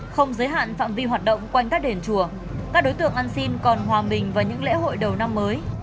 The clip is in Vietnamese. không giới hạn phạm vi hoạt động quanh các đền chùa các đối tượng ăn xin còn hòa mình vào những lễ hội đầu năm mới